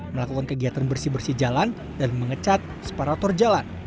melakukan kegiatan bersih bersih jalan dan mengecat separator jalan